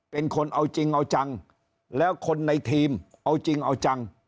เป็นคนเอาจริงเอาจังแล้วคนในทีมเอาจริงเอาจัง